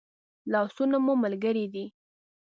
لاسونه مو ملګري دي